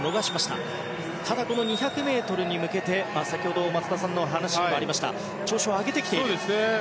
ただ２００ｍに向けて、先ほど松田さんの話にもありました調子を上げてきている。